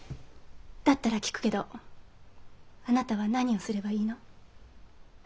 だったら聞くけどあなたは何をすればいいの？